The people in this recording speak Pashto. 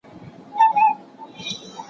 په خپل افغاني کلتور وویاړئ.